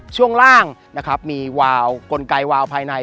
ช่วงล่างมีกลไกวาวภายใน